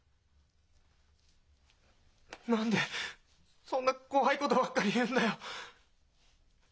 何でそんな怖いことばっかり言うんだよ。